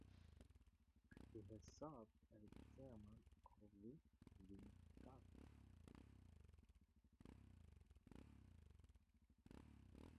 He has served as the Chairman of the Think Tank.